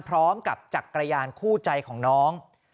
พร้อมกับจักรยานคู่ใจของน้อง